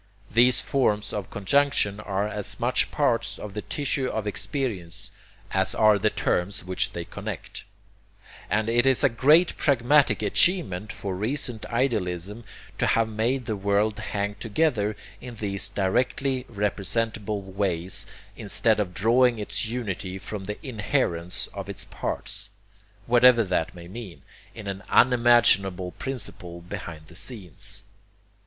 These forms of conjunction are as much parts of the tissue of experience as are the terms which they connect; and it is a great pragmatic achievement for recent idealism to have made the world hang together in these directly representable ways instead of drawing its unity from the 'inherence' of its parts whatever that may mean in an unimaginable principle behind the scenes.